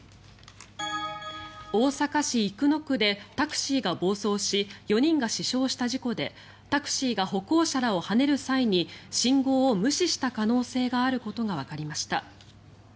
大阪市生野区でタクシーが暴走し４人が死傷した事故でタクシーが歩行者らをはねる際に信号を無視した可能性があることがわかりました。